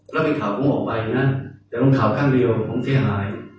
แล้วมีข่าวผมออกไปนะแต่มันข่าวข้างเดียวผมเสียหาย